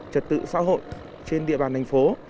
trật tự xã hội trên địa bàn thành phố